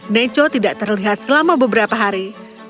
neco tidak terlihat selama beberapa hari